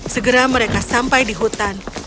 segera mereka sampai di hutan